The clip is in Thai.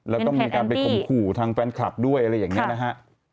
แล้วก็มีการไปข่มขู่ทางแฟนคลับด้วยอะไรอย่างนี้นะฮะ